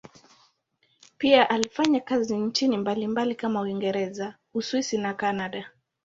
Pia alifanya kazi nchini mbalimbali kama Uingereza, Uswisi na Kanada.